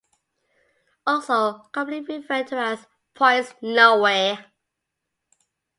Also commonly referred to as Points Nowhere.